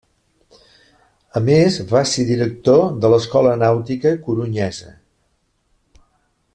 A més va ser director de l'Escola Nàutica corunyesa.